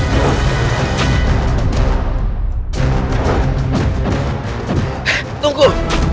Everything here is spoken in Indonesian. raja ibu nda